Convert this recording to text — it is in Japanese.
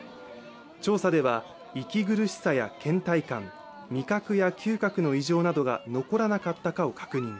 調査では、息苦しさやけん怠感、味覚や嗅覚の異常などが残らなかったかを確認。